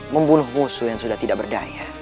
membunuh musuh yang sudah tidak berdaya